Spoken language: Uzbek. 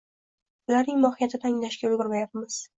Ularning mohiyatini anglashga ulgurmayapmiz.